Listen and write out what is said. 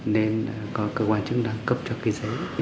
nên có cơ quan chức năng cấp cho cái giấy